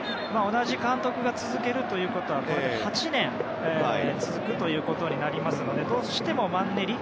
同じ監督が続くということは８年、続くということになるのでどうしてもマンネリ。